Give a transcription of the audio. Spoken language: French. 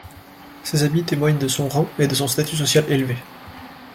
Ces habits témoignent de son rang et de son status social élevé.